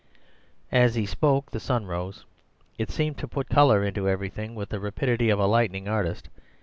"As he spoke the sun rose. It seemed to put colour into everything, with the rapidity of a lightning artist.